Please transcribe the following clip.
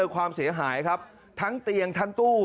ความเสียหายครับทั้งเตียงทั้งตู้